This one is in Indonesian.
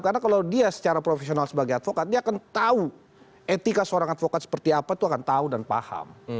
karena kalau dia secara profesional sebagai advokat dia akan tahu etika seorang advokat seperti apa tuh akan tahu dan paham